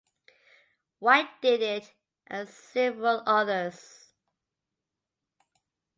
White Did It and several others.